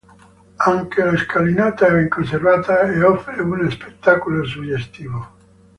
Anche la scalinata è ben conservata e offre uno spettacolo suggestivo.